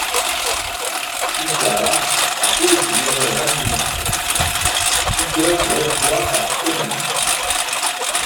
Plus tard, à cause d'une erreur administrative, Peter reçoit par semaine.